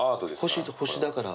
星だから。